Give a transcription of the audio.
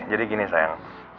jadi gini sayang